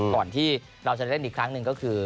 ก่อนที่เราจะเล่นอีกครั้งหนึ่งก็คือ